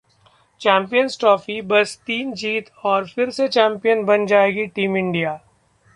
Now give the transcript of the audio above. champions trophy बस तीन जीत और फिर से चैंपियन बन जाएगी टीम इंडिया